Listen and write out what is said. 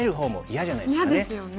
嫌ですよね。